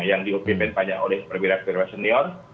yang diopin banyak oleh perwira wira senior